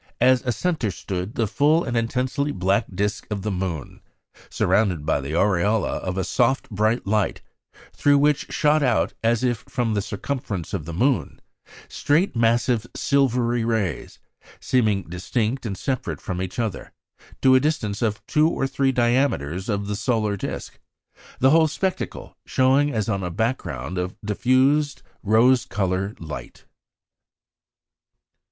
As a centre stood the full and intensely black disc of the moon, surrounded by the aureola of a soft bright light, through which shot out, as if from the circumference of the moon, straight, massive, silvery rays, seeming distinct and separate from each other, to a distance of two or three diameters of the solar disc; the whole spectacle showing as on a background of diffused rose coloured light."